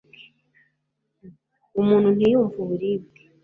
umuntu ntiyumve uburibwe